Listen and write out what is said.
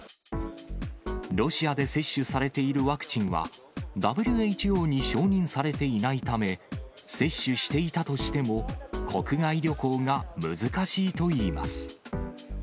ロシアで接種されているワクチンは、ＷＨＯに承認されていないため、接種していたとしても、国外旅行が難しいといいます。